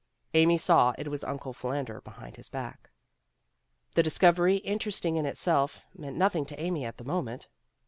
Amy saw it was Uncle Phil ander Behind His Back. The discovery, interesting in itself, meant nothing to Amy at the moment.